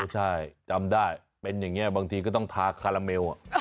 ใช่จำได้เป็นอย่างนี้บางทีก็ต้องทาคาราเมล